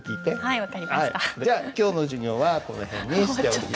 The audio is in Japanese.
じゃあ今日の授業はこの辺にしておきます。